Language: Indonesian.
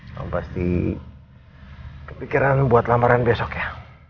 yang pasti kepikiran buat lamaran besok ya